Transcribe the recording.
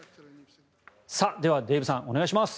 では、デーブさんお願いします。